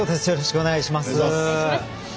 よろしくお願いします。